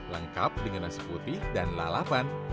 lengkap dengan nasi putih dan lalapan